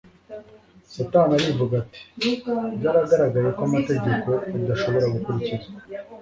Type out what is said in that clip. Satani arivugira ati : byaragaragaye ko amategeko adashobora gukurikizwa;